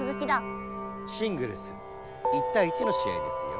シングルス１たい１のしあいですよ。